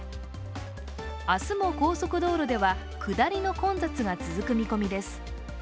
明日も高速道路では下りの混雑が続く見込みです。